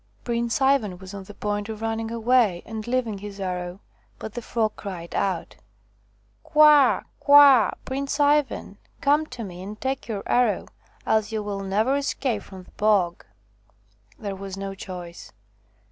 Prince Ivan was on the point of running away and leaving his arrow, but the Frog cried out : "Kwa! kwa! Prince Ivan! Come to me and take your arrow, else you will never escape from the bog !" There was no choice.